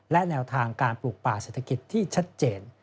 และแนวทางการปลูกป่าเศรษฐกิจที่ชัดเจน